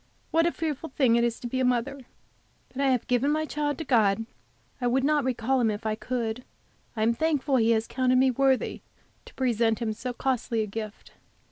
What a fearful thing it is to be a mother! But I have given my child to God. I would not recall him if I could. I am thankful He has counted me worthy to present Him so costly a gift.